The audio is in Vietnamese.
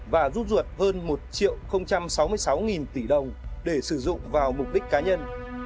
và rút ruột hơn một sáu mươi sáu tỷ đồng để sử dụng vào mục đích cá nhân